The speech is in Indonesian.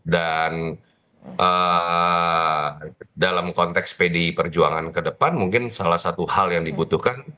dan dalam konteks pdi perjuangan ke depan mungkin salah satu hal yang dibutuhkan